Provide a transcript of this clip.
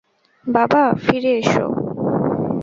বাবা, ফিরে এসো!